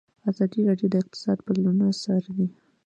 ازادي راډیو د اقتصاد بدلونونه څارلي.